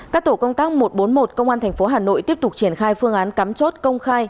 các tổ công tác một trăm bốn mươi một công an tp hà nội tiếp tục triển khai phương án cắm chốt công khai